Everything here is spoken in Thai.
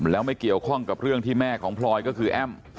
แล้วไม่เกี่ยวข้องกับเรื่องที่แม่ของพลอยก็คือแอ้ม